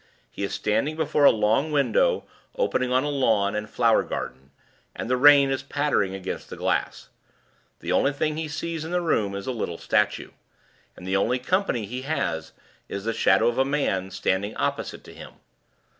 He is standing before a long window opening on a lawn and flower garden, and the rain is pattering against the glass. The only thing he sees in the room is a little statue; and the only company he has is the Shadow of a Man standing opposite to him.